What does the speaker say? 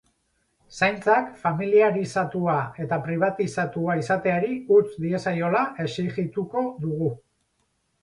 Zaintzak familiarizatua eta pribatizatua izateari utz diezaiola exijituko dugu.